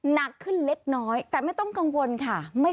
หนักขึ้นเล็กน้อยแต่ไม่ต้องกังวลค่ะ